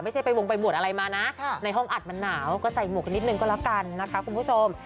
ไม่ใช่ไปวงไปบวชอะไรมานะในห้องอัดมันหนาวก็ใส่หมวกกันนิดนึงก็แล้วกันนะคะคุณผู้ชม